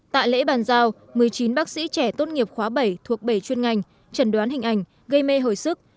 tại lễ bàn giao một mươi chín bác sĩ trẻ tốt nghiệp khóa bảy thuộc bảy chuyên ngành trần đoán hình ảnh gây mê hồi sức